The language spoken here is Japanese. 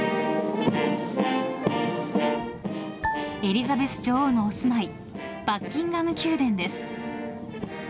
エリザベス女王のお住まいバッキンガム宮殿です。